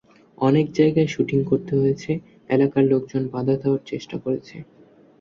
অনেক জায়গায় শুটিং করতে হয়েছে, এলাকার লোকজন বাধা দেওয়ার চেষ্টা করেছে।'